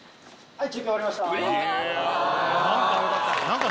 はい。